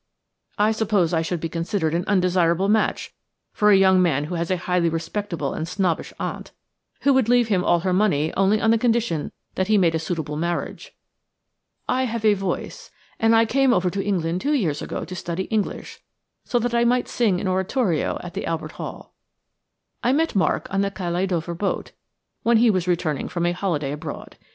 I suppose I should be considered an undesirable match for a young man who has a highly respectable and snobbish aunt, who would leave him all her money only on the condition that he made a suitable marriage. I have a voice, and I came over to England two years ago to study English, so that I might sing in oratorio at the Albert Hall. I met Mark on the Calais Dover boat, when he was returning from a holiday abroad.